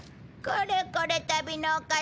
これこれ旅のお方。